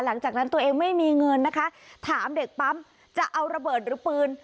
หลังจากนั้นตัวเองไม่มีเงินนะคะถามเด็กปั๊มจะเอาระเบิดหรือปืน